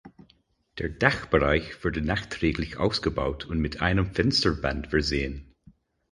Der Dachbereich wurde nachträglich ausgebaut und mit einem Fensterband versehen.